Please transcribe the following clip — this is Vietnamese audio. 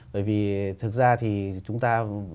bởi vì thực ra thì chúng ta